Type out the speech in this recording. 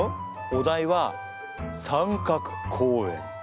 お題は「三角公園」。